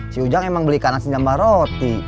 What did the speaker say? si ujang emang beli kanan asin jambal roti